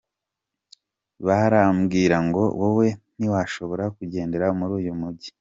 Barambwira ngo wowe ntiwashobora kugendera muri uyu mugi.